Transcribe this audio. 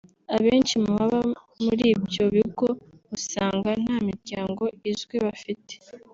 Abenshi mu baba muri ibyo bigo usanga nta miryango izwi bafite